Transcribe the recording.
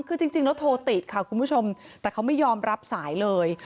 คือจริงแล้วโทรติดค่ะคุณผู้ชมแต่เขาไม่ยอมรับสายเลย